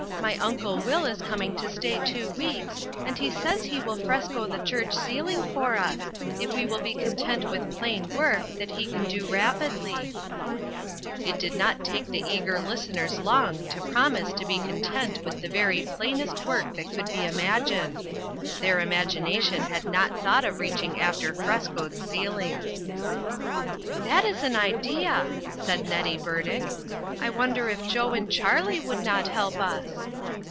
My uncle Will is coming to stay two weeks, and he says he will fresco the church ceiling for us, if we will be content with plain work that ne can do rapidly." 304 INTERRUPTED. It did not take the eager listeners long to promise to be content with the very plainest work that could be imagined. Their imagination had not thought of reaching after frescoed ceilings. " That is an idea !" said Nettie Burdick. " I wonder if Joe and Charlie would not help us?"